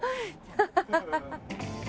ハハハハ。